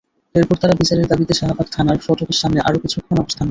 এরপর তাঁরা বিচারের দাবিতে শাহবাগ থানার ফটকের সামনে আরও কিছুক্ষণ অবস্থান নেন।